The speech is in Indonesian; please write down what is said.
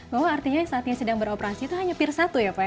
bahwa artinya saat ini sedang beroperasi itu hanya pir satu ya pak ya